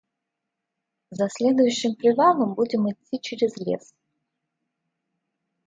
За следующим привалом будем идти через лес.